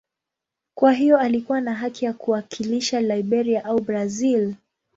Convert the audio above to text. Kwa hiyo alikuwa na haki ya kuwakilisha Liberia au Brazil.